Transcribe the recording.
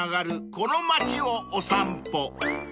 この街をお散歩］